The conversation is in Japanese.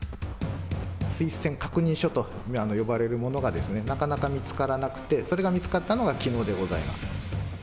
推薦確認書と呼ばれるものがなかなか見つからなくて、それが見つかったのがきのうでございます。